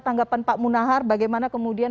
tanggapan pak munahar bagaimana kemudian